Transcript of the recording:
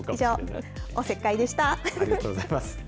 ありがとうございます。